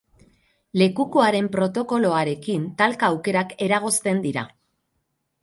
Lekukoaren protokoloarekin talka aukerak eragozten dira.